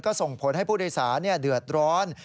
ก็ส่งผลให้ผู้ดัยสาเหนี่ยเดือดร้อน